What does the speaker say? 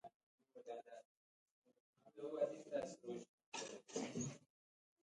ما له بازار نه تازه بوره راوړه.